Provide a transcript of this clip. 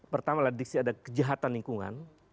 pertamalah diksi ada kejahatan lingkungan